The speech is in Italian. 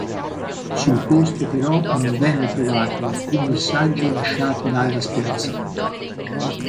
Sul posto però non venne trovato alcun messaggio lasciato dalla spedizione.